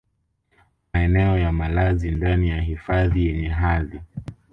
maeneo ya malazi ndani ya hifadhi yenye hadhi